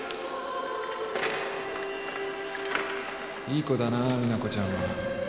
いい子だな実那子ちゃんは